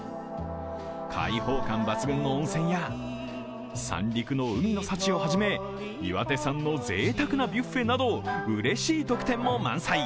開放感抜群の温泉や、三陸の海の幸をはじめ岩手産のぜいたくなビュッフェなどうれしい特典も満載。